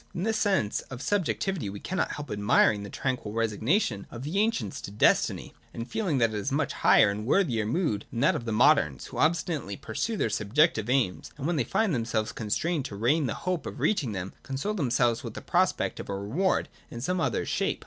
In this sense of sub jectivity we cannot help admiring the tranquil resignation of the ancients to destiny, and feeling that it is a much higher and worthier mood than that of the moderns, who obstinately pursue their subjective aims, and when they find themselves constrained to resign the hope of reaching them, console themselves with the prospect of a reward in some other shape.